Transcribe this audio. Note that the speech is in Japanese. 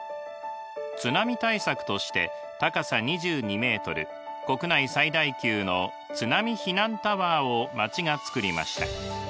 津波対策として高さ２２ｍ国内最大級の津波避難タワーを町がつくりました。